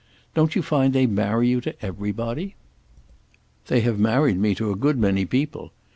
Don't you find they marry you to everybody?" "They have married me to a good many people.